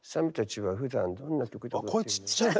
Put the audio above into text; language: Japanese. あ声ちっちゃい。